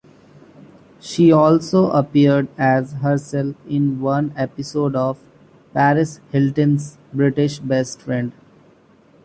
She also appeared as herself in one episode of "Paris Hilton's British Best Friend".